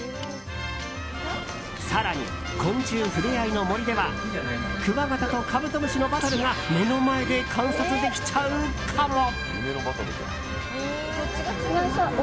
更に、昆虫ふれあいの森ではクワガタとカブトムシのバトルが目の前で観察できちゃうかも。